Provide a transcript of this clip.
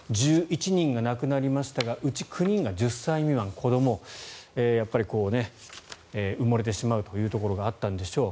１１人が亡くなりましたがうち９人が１０歳未満、子どもやっぱり埋もれてしまうというところがあったんでしょう。